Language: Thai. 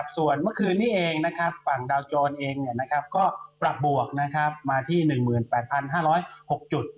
ส่วนเมื่อคืนนี้เองฝั่งดาวโจรเองก็ปรับบวกมาที่๑๘๕๐๖จุด